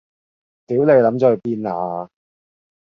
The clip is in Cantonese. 屌你諗左去邊呀